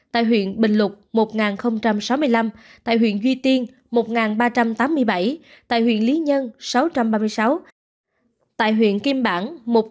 tại huyện bình lục một sáu mươi năm tại huyện duy tiên một ba trăm tám mươi bảy tại huyện lý nhân sáu trăm ba mươi sáu tại huyện kim bản một hai mươi